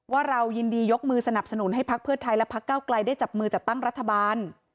เรายินดียกมือสนับสนุนให้พักเพื่อไทยและพักเก้าไกลได้จับมือจัดตั้งรัฐบาล